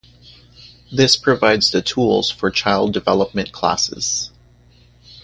This provides the tools for child development classes.